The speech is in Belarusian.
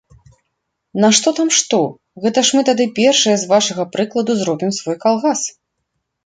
Нашто там што, гэта ж мы тады першыя з вашага прыкладу зробім свой калгас.